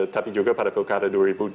tapi juga pada pilkada